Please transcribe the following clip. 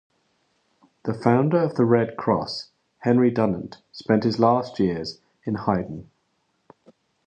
The founder of the Red Cross, Henry Dunant, spent his last years in Heiden.